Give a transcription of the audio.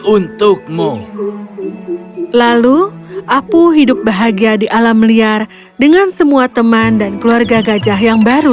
untukmu lalu apu hidup bahagia di alam liar dengan semua teman dan keluarga gajah yang baru